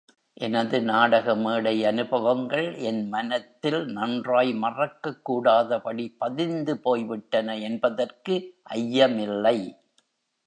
எனது நாடக மேடை அனுபவங்கள் என் மனத்தில் நன்றாய் மறக்கக் கூடாதபடி பதிந்து போய்விட்டன என்பதற்கு ஐயமில்லை.